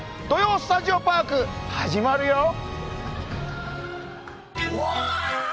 「土曜スタジオパーク」始まるよ。